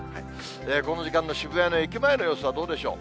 この時間の渋谷の駅前の様子はどうでしょう。